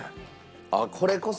あっこれこそ。